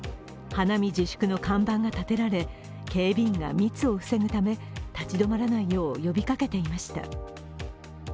花見自粛の看板が立てられ警備員が密を防ぐため立ち止まらないよう呼びかけていました。